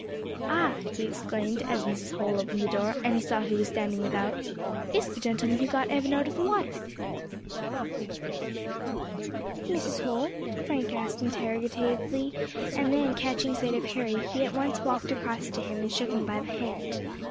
"Ah!" he exclaimed, as Mrs. Holl opened the door, and he saw who was standing without, "it's the gentleman who got Evan out of the water." "Mrs. Holl?" Frank asked interrogatively, and then, catching sight of Harry, he at once walked across to him and shook him by the hand.